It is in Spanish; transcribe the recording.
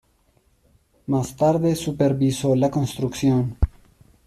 Más tarde supervisó la construcción.